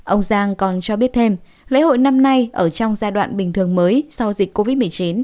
ông giang còn cho biết thêm lễ hội năm nay ở trong giai đoạn bình thường mới sau dịch covid một mươi chín